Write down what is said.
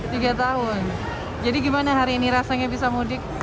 tiga tahun jadi gimana hari ini rasanya bisa mudik